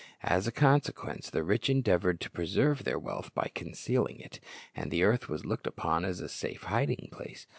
As a consequence, the rich endeavored to preserve their wealth by concealing it, and the earth was looked upon as a safe hiding place.